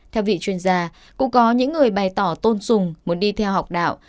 theo vị chuyên gia cũng có những người bày tỏ tôn sùng muốn đi theo học đạo